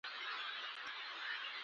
ولس ورته وویل چې موږ ته ټول یو شان یاست.